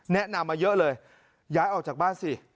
แนะนำมาเยอะเลยย้ายออกจากบ้านสิ